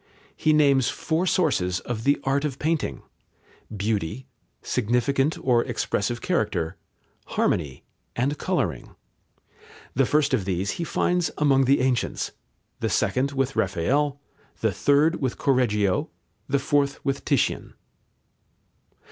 He names four sources of the art of painting: beauty, significant or expressive character, harmony, and colouring. The first of these he finds among the ancients, the second with Raphael, the third with Correggio, the fourth with Titian.